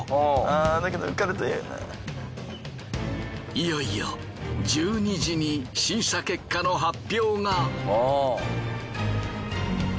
いよいよ１２時に審査結果の発表が。